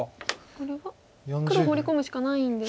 これは黒ホウリ込むしかないんですが。